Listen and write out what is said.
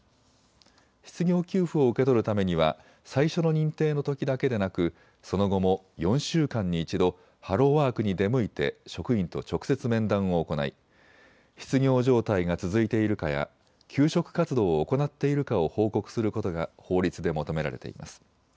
失業給付を受け取るためには最初の認定のときだけでなくその後も４週間に１度、ハローワークに出向いて職員と直接面談を行い失業状態が続いているかや求職活動を行っているかを報告することが法律で求められています。